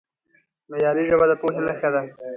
معیاري ژبه د پوهې نښه ده.